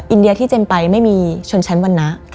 อินเดียที่เจมส์ไปไม่มีชนชั้นวันนะ